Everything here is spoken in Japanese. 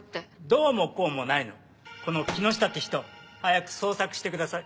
どうもこうもないのこの木下って人早く捜索してください。